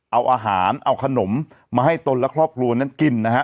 เอาอาหารเอาขนมมาให้ตนและครอบครัวนั้นกินนะฮะ